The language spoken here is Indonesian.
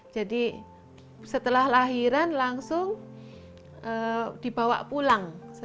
jadi setelah lahiran langsung dibawa pulang